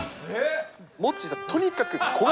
モッチーさん、とにかく小顔。